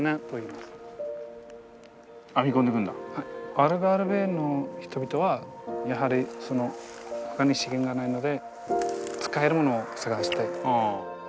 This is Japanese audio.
アルガルヴェの人々はやはりほかに資源がないので使えるものを探して。